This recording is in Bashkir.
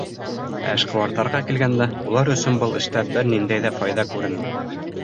Ә эшҡыуарҙарға килгәндә, улар өсөн был эштә бер ниндәй ҙә файҙа күренмәй.